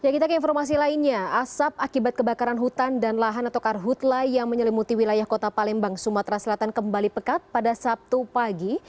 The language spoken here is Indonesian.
kita ke informasi lainnya asap akibat kebakaran hutan dan lahan atau karhutlah yang menyelimuti wilayah kota palembang sumatera selatan kembali pekat pada sabtu pagi